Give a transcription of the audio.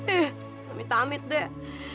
eh tamit tamit deh